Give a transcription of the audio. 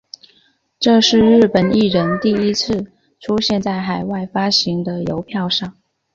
这是日本艺人第一次出现在海外发行的邮票上。